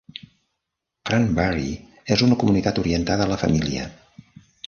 Cranberry és una comunitat orientada a la família.